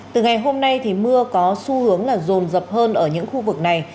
từ ngày hôm nay thì mưa có xu hướng là rồn rập hơn ở những khu vực này